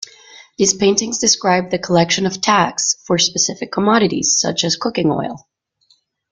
These paintings describe the collection of tax for specific commodities, such as cooking oil.